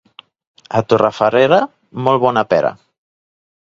A Torrefarrera, molt bona pera.